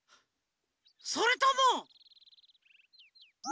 それとも。